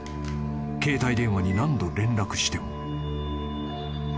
［携帯電話に何度連絡しても］